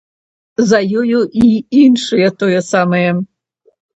За ёю і іншыя тое самае.